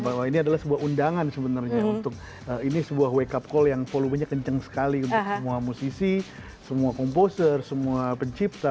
bahwa ini adalah sebuah undangan sebenarnya untuk ini sebuah wake up call yang volumenya kenceng sekali untuk semua musisi semua komposer semua pencipta